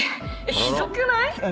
ひどくない？